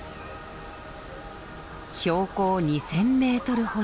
標高２，０００メートルほど。